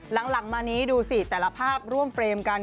หลังมานี้ดูสิแต่ละภาพร่วมเฟรมกัน